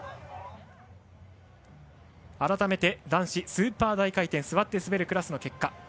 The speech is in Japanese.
改めて男子スーパー大回転座って滑るクラスの結果。